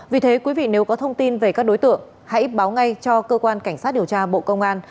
vì thế quý vị nếu có thông tin về các đối tượng hãy báo ngay cho cơ quan cảnh sát điều tra bộ công an